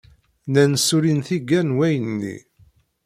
Nnan ssulin tiga n wayen-nni.